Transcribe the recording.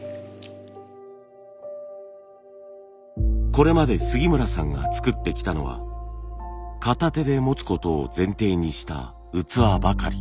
これまで杉村さんが作ってきたのは片手で持つことを前提にした器ばかり。